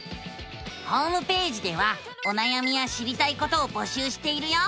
ホームページではおなやみや知りたいことを募集しているよ！